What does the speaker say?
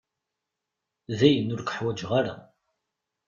Dayen ur k-uḥwaǧeɣ ara.